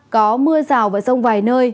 có mưa rào và rông vài nơi